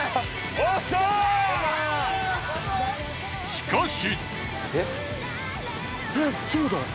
しかし。